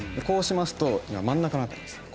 こうしますと今真ん中の辺りです。